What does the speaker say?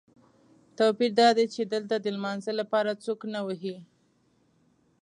توپیر دادی چې دلته د لمانځه لپاره څوک نه وهي.